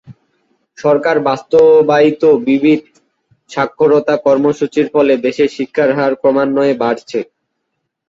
সরকার বাস্তবায়িত বিবিধ সাক্ষরতা কর্মসূচীর ফলে দেশে শিক্ষার হার ক্রমান্বয়ে বাড়ছে।